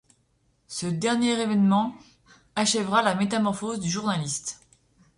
Ce dernier événement achèvera la métamorphose du journaliste.